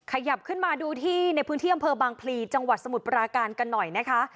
ขยับขึ้นมาดูที่ในพื้นที่อำเภอบางพลีจังหวัดสมุทรปราการกันหน่อยนะคะ